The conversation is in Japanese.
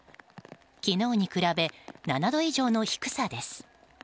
昨日に比べ７度以上の低さです。